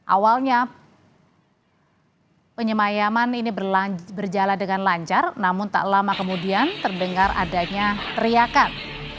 awalnya penyemayaman ini berjalan dengan lancar namun tak lama kemudian terdengar adanya teriakan